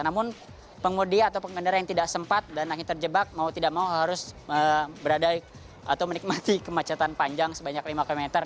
namun pengudi atau pengendara yang tidak sempat dan akhirnya terjebak mau tidak mau harus berada atau menikmati kemacetan panjang sebanyak lima km